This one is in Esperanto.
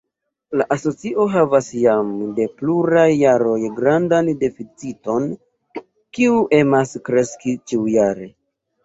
La asocio havas jam de pluraj jaroj grandan deficiton, kiu emas kreski ĉiujare.